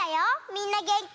みんなげんき？